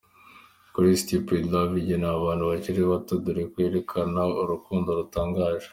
Crazy stupid Love:Igenewe abantu bakiri bato dore ko yerakana urikundo rutangaje.